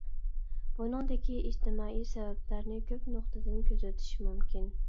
بۇنىڭدىكى ئىجتىمائىي سەۋەبلەرنى كۆپ نۇقتىدىن كۆزىتىش مۇمكىن.